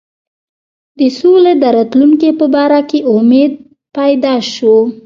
د سولي د راتلونکي په باره کې امید پیدا شو.